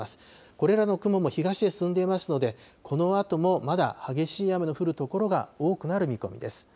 これらの雲も東へ進んでいますので、このあとも、まだ激しい雨の降る所が多くなる見込みです。